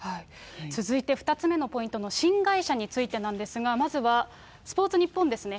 続いて２つ目のポイントの新会社についてなんですが、まずはスポーツニッポンですね。